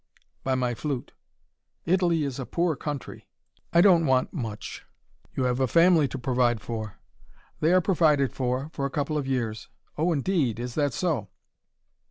"By my flute." "Italy is a poor country." "I don't want much." "You have a family to provide for." "They are provided for for a couple of years." "Oh, indeed! Is that so?"